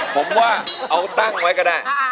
ผมว่าเอาตั้งไว้ก็ได้